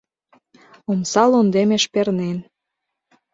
Омса лондемеш пернен